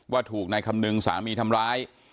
ว่าถูกนายคำนึงสามีทำร้าย